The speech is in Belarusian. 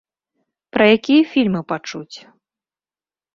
Пра якія фільмы пачуць?